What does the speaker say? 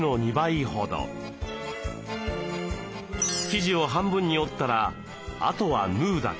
生地を半分に折ったらあとは縫うだけ。